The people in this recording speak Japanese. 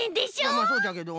まあまあそうじゃけど。